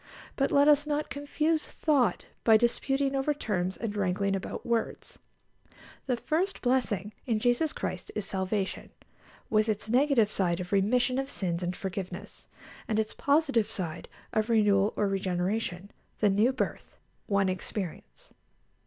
But let us not confuse thought by disputing over terms and wrangling about words. The first blessing in Jesus Christ is salvation, with its negative side of remission of sins and forgiveness, and its positive side of renewal or regeneration the new birth one experience.